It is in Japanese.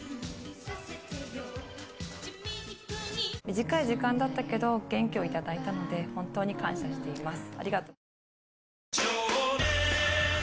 短い時間だけど元気を頂いたので本当に感謝しています。